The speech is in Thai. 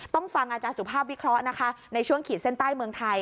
ฟังอาจารย์สุภาพวิเคราะห์นะคะในช่วงขีดเส้นใต้เมืองไทย